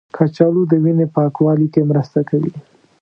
کچالو د وینې پاکوالي کې مرسته کوي.